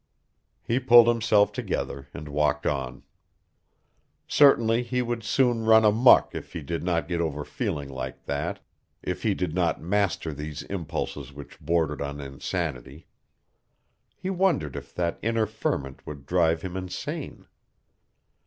He pulled himself together and walked on. Certainly he would soon run amuck if he did not get over feeling like that, if he did not master these impulses which bordered on insanity. He wondered if that inner ferment would drive him insane.